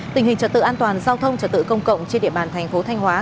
tình hình trật tự an toàn giao thông trật tự công cộng trên địa bàn tp thanh hóa